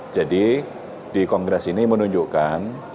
jadi di kongres ini menunjukkan